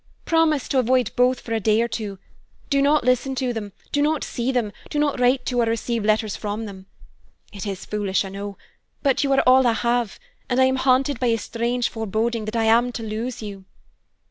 Promise to avoid both for a day or two; do not listen to them, do not see them, do not write to or receive letters from them. It is foolish, I know; but you are all I have, and I am haunted by a strange foreboding that I am to lose you."